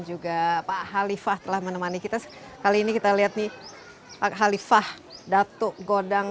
juga pak halifah telah menemani kita kali ini kita lihat nih pak khalifah datuk godang